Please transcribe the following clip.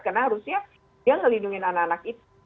karena harusnya dia melindungi anak anak itu